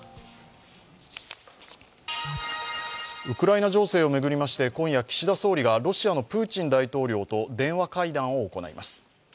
ウクライナ情勢を巡りまして今夜、岸田総理がロシアのプーチン大統領と電話会談を行います。